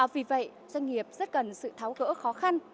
vì vậy doanh nghiệp rất cần sự tháo gỡ khó khăn